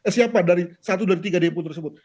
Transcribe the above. siapa dari satu dari tiga depu tersebut